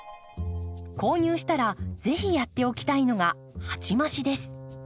購入したら是非やっておきたいのが鉢増しです。